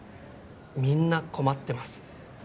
みんな困ってます